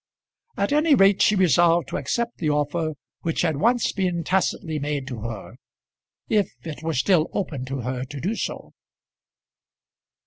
At any rate she resolved to accept the offer which had once been tacitly made to her, if it were still open to her to do so.